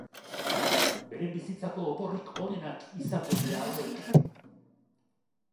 Beren bizitzako oporrik onenak izango dira hauek!